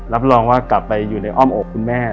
รับรองว่ากลับไปอยู่ในอ้อมอกคุณแม่